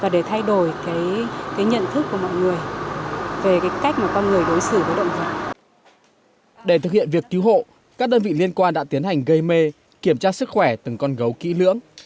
để thực hiện việc cứu hộ các đơn vị liên quan đã tiến hành gây mê kiểm tra sức khỏe từng con gấu kỹ lưỡng